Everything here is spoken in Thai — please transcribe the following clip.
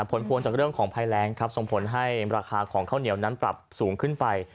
ผลพวงจากเรื่องของภัยแรงครับส่งผลให้ราคาของข้าวเหนียวนั้นปรับสูงขึ้นไป